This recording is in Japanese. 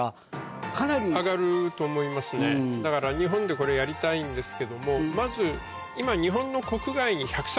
だから日本でこれやりたいんですけどもまず今日本の。